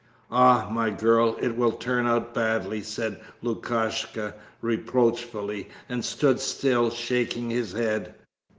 'Ah my girl, it will turn out badly,' said Lukashka reproachfully and stood still, shaking his head.